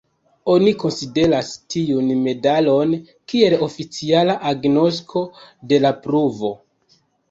Oni konsideras tiun medalon kiel oficiala agnosko de la pruvo.